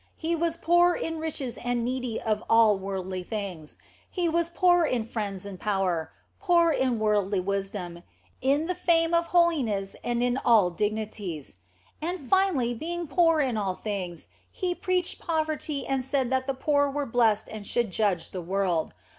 He was poor in riches and needy of all worldly things ; He was poor in friends and power, poor in worldly wisdom, in the fame of holiness and in all dignities. And finally, being poor in all things, He preached poverty and said that the poor were blessed and should judge the world.